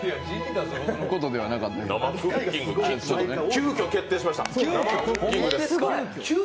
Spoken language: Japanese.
急きょ決定しました。